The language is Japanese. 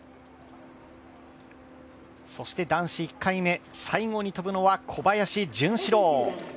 そして男子１回目、最後に飛ぶのは小林潤志郎。